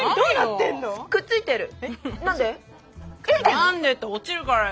何でって落ちるからよ。